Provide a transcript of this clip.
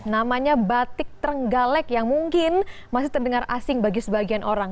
namanya batik trenggalek yang mungkin masih terdengar asing bagi sebagian orang